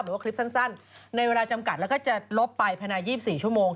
หรือว่าคลิปสั้นในเวลาจำกัดแล้วก็จะลบไปภายใน๒๔ชั่วโมง